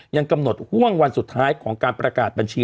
ยังกำหนดห่วงวันสุดท้ายของการประกาศบัญชี